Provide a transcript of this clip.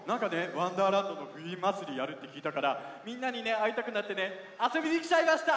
「わんだーらんど」のふゆまつりやるってきいたからみんなにねあいたくなってねあそびにきちゃいました！